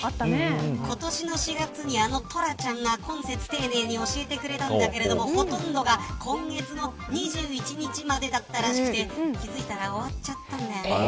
今年の４月にあのトラちゃんが懇切丁寧に教えてくれたんだけどほとんどが、今月の２１日までだったらしくて気付いたら終わっちゃったんだよね。